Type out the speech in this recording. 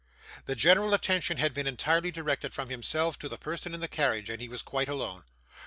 The general attention had been entirely directed from himself to the person in the carriage, and he was quite alone.